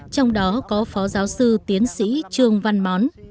trong đó có phó giáo sư tiến sĩ trương văn món